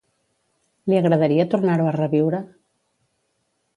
Li agradaria tornar-ho a reviure?